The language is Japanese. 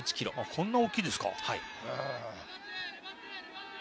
こんなに大きいですか。